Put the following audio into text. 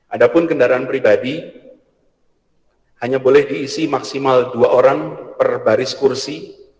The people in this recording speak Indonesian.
ada pun kendaraan pribadi hanya boleh diisi maksimal dua orang per baris kursi